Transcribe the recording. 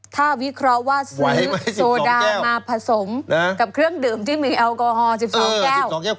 ถ้าวิเคราะห์ว่าซื้อโซดามาผสมกับเครื่องดื่มที่มีแอลกอฮอล๑๒แก้ว